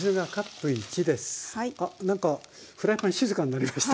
あ何かフライパン静かになりました。